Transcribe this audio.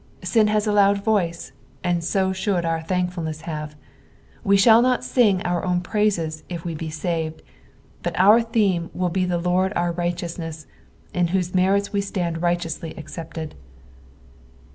Sin has a, loud voice, and so shoold our thankfulness have. Wc shall not sing our own praiacs if wu be saved, but our theme will be the Lord our righteousness, in whose merits we stand righteously accepted.